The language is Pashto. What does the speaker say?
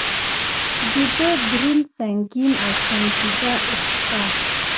د ده دروند، سنګین او سنجیده احساس.